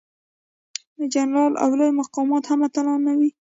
جنرالان او لوی مقامات هم اتلان نه وو.